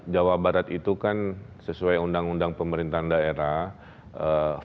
jawa barat itu kan sesuai undang undang pemerintahan daerah